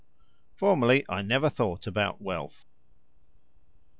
Formerly I never thought about wealth.